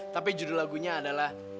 tapi judul lagunya adalah